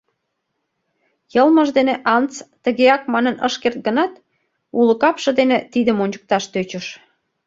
Йылмыж дене Антс «тыгеак» манын ыш керт гынат, уло капше дене тидым ончыкташ тӧчыш.